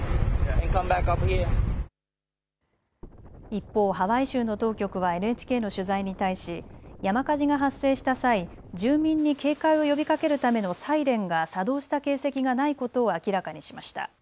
一方、ハワイ州の当局はＮＨＫの取材に対し山火事が発生した際、住民に警戒を呼びかけるためのサイレンが作動した形跡がないことを明らかにしました。